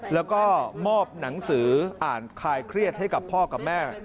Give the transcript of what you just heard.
แล้วก็มอบหนังสืออ่านคลายเครียดให้กับพ่อกับแม่